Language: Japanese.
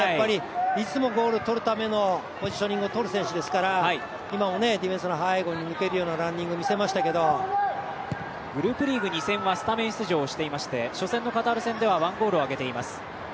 いつもゴールとるためのポジショニングをとる選手ですから今も、ディフェンスの背後に抜けるようなランニング見せましたけどグループリーグ２戦は、スタメン出場していて初戦のカタール戦では１ゴールを挙げています。